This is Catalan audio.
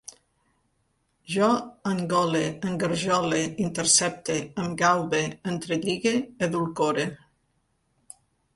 Jo engole, engarjole, intercepte, em gaube, entrelligue, edulcore